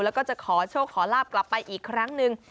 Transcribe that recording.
แล้วก็จะขอโชคขอลาบกลับไปอีกครั้งหนึ่ง